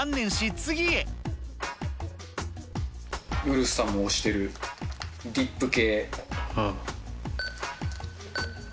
ウルフさんも推してるディップ系。